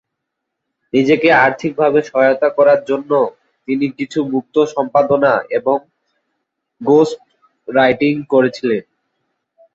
নিজেকে আর্থিকভাবে সহায়তা করার জন্য তিনি কিছু মুক্ত সম্পাদনা এবং গোস্ট রাইটিং করেছিলেন।